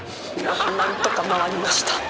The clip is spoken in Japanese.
なんとか回りました